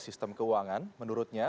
sistem keuangan menurutnya